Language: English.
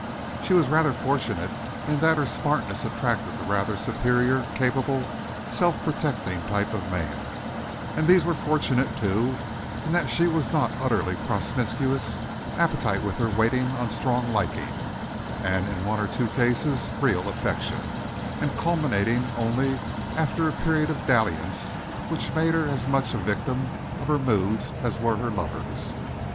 She was rather fortunate in that her smartness attracted the rather superior, capable, self protecting type of man; and these were fortunate too, in that she was not utterly promiscuous, appetite with her waiting on strong liking, and in one or two cases real affection, and culminating only after a period of dalliance which made her as much a victim of her moods as were her lovers.